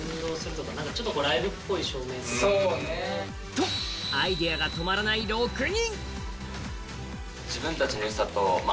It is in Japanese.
と、アイデアが止まらない６人。